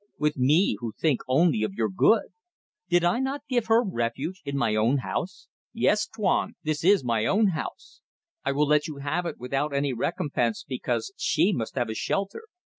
With me who think only of your good? Did I not give her refuge, in my own house? Yes, Tuan! This is my own house. I will let you have it without any recompense because she must have a shelter.